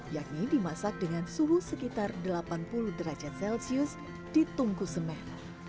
yakni dimasak dengan suhu sekitar delapan puluh derajat celcius di tungku semen